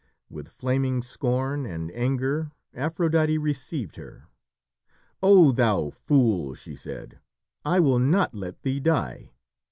With flaming scorn and anger Aphrodite received her. "O thou fool," she said, "I will not let thee die!